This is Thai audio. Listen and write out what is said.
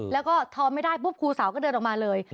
แล้วก็ทอนไม่ได้ปุ๊บครูสาวก็เดินออกมาเลย